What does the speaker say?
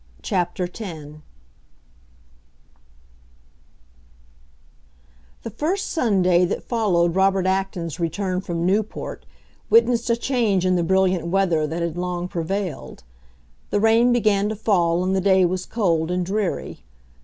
CHAPTER X The first sunday that followed Robert Acton's return from Newport witnessed a change in the brilliant weather that had long prevailed. The rain began to fall and the day was cold and dreary.